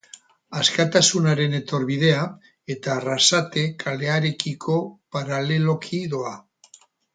Askatasunaren etorbidea eta Arrasate kalearekiko paraleloki doa.